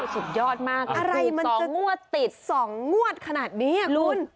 สุดยอดมากสองงวดขนาดนี้คุณ